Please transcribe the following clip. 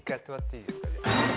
いいですか？